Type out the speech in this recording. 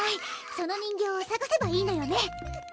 その人形をさがせばいいのよね？